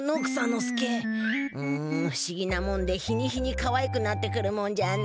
んふしぎなもんで日に日にかわいくなってくるもんじゃな。